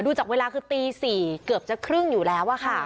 จากเวลาคือตี๔เกือบจะครึ่งอยู่แล้วค่ะ